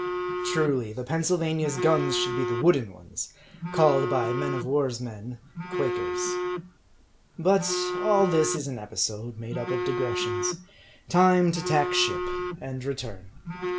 Truly, the Pennsylvania's guns should be the wooden ones, called by men of war's men, Quakers. But all this is an episode, made up of digressions. Time to tack ship, and return.